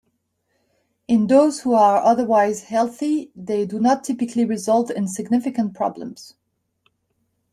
In those who are otherwise healthy they do not typically result in significant problems.